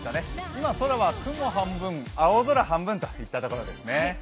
今、空は雲半分、青空半分といったところですね。